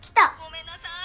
「ごめんなさい。